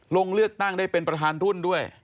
ลงเลือกตั้งได้เป็นประธานรุ่นด้วย